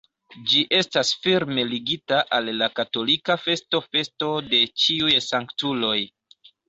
Ĝi estas firme ligita al la katolika festo festo de ĉiuj sanktuloj.